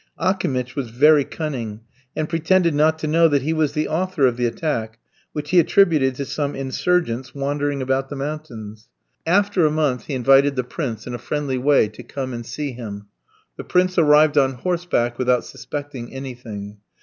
Akimitch was very cunning, and pretended not to know that he was the author of the attack, which he attributed to some insurgents wandering about the mountains. After a month he invited the prince, in a friendly way, to come and see him. The prince arrived on horseback, without suspecting anything.